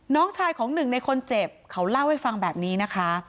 น้องชายของหนึ่งในคนเจ็บเขาเล่าให้ฟังแบบนี้นะคะ